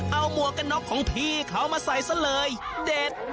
เอาหมวกกันน็อกของพี่เขามาใส่ซะเลยเด็ด